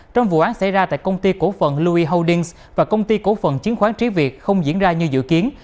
trong vụ án xảy ra tại công ty cổ phận louis holdings và công ty cổ phận chứng khoán trí việt không diễn ra như dự kiến